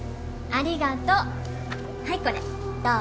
ありがとう。